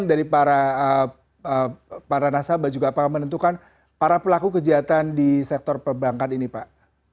dari para nasabah juga apakah menentukan para pelaku kejahatan di sektor perbankan ini pak